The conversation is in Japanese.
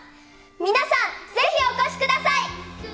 皆さん、ぜひお越しください。